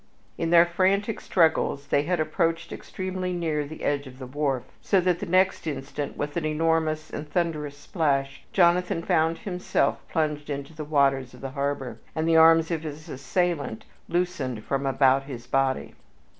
In their frantic struggles they had approached extremely near the edge of the wharf, so that the next instant, with an enormous and thunderous splash, Jonathan found himself plunged into the waters of the harbor, and the arms of his assailant loosened from about his body.